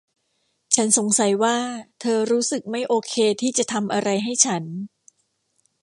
ฉันสงสัยว่าเธอรู้สึกไม่โอเคที่จะทำอะไรให้ฉัน